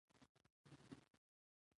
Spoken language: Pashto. بادام د افغانستان د اقلیم ځانګړتیا ده.